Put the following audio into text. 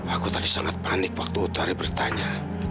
aku tadi sangat panik waktu tadi bertanya